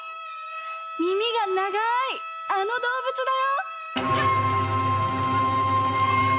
みみがながいあのどうぶつだよ！